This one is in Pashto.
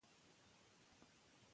د مېندو د مړینې کچه راټیټه کړئ.